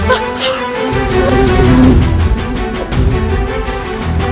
aku harus mengejar mahesa